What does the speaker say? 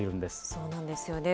そうなんですよね。